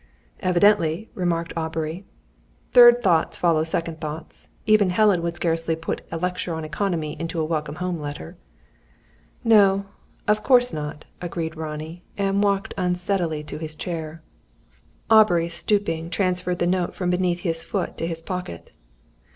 "Evidently," remarked Aubrey, "third thoughts followed second thoughts. Even Helen would scarcely put a lecture on economy into a welcome home letter." "No, of course not," agreed Ronnie, and walked unsteadily to his chair. Aubrey, stooping, transferred the note from beneath his foot to his pocket.